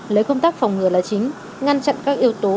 lấy công tác phòng ngừa là chính ngăn chặn các yếu tố